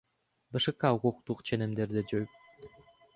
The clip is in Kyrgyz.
БШК укуктук ченемдерди жоюп толуктаган көп эле учурлар болгон.